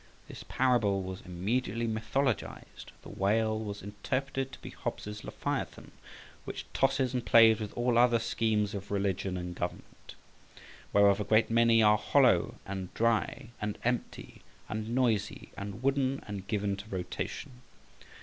This parable was immediately mythologised; the Whale was interpreted to be Hobbes's "Leviathan," which tosses and plays with all other schemes of religion and government, whereof a great many are hollow, and dry, and empty, and noisy, and wooden, and given to rotation.